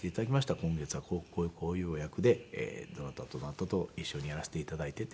今月はこういうお役でどなたとどなたと一緒にやらせて頂いていて」。